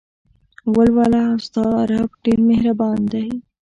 ولوله او ستا رب ډېر مهربان دى.